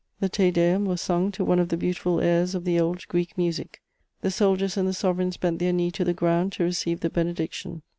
The Te Deum was sung to one of the beautiful airs of the old Greek music. The soldiers and the sovereigns bent their knee to the ground to receive the benediction.